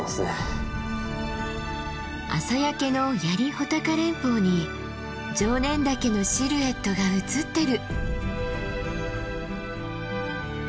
朝焼けの槍・穂高連峰に常念岳のシルエットが映ってる。